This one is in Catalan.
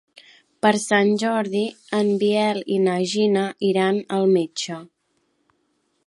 Per Sant Jordi en Biel i na Gina iran al metge.